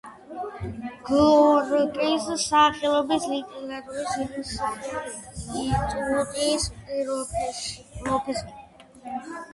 გორკის სახელობის ლიტერატურის ინსტიტუტის პროფესორი.